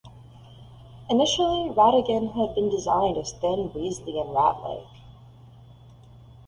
Initially, Ratigan had been designed as thin, weasely, and ratlike.